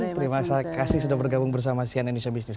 terima kasih sudah bergabung bersama sian indonesia business